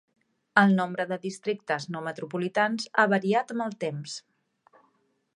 El nombre de districtes no metropolitans ha variat amb el temps.